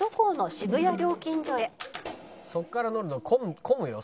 そこから乗るの混むよ